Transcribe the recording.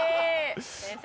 先生。